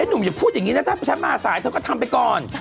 หนุ่มอย่าพูดอย่างนี้นะถ้าฉันมาสายเธอก็ทำไปก่อน